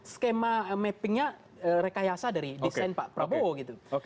skema mappingnya rekayasa dari desain pak prabowo gitu